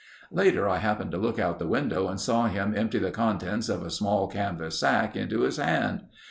Later I happened to look out the window and saw him empty the contents of a small canvas sack into his hand.